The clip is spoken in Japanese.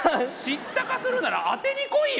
知ったかするなら当てに来いよおい！